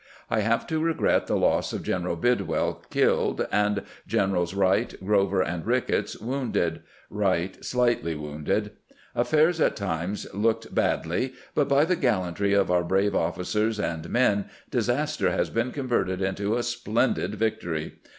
I have to regret the loss of General Bidwell, killed, and Gene rals Wright, Grover, and Kicketts, wounded— Wright 308 CAMPAIGNING WITH GRANT slightly wounded. Affairs at times looked badly, but by tlie gallantry of our brave officers and men disaster bas been converted into a splendid victory.